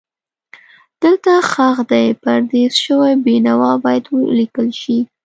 دلته ښخ دی پردیس شوی بېنوا باید ولیکل شي.